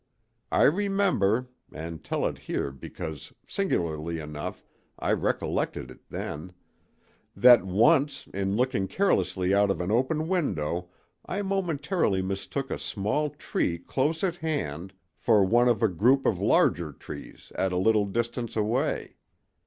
I remember—and tell it here because, singularly enough, I recollected it then—that once in looking carelessly out of an open window I momentarily mistook a small tree close at hand for one of a group of larger trees at a little distance away.